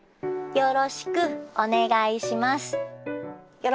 よろしくお願いします。